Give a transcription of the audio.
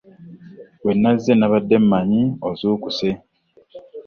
Bwennaze, nabadde manyi ozukuse.